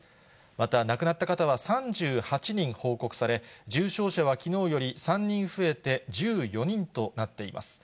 また亡くなった方は３８人報告され、重症者はきのうより３人増えて１４人となっています。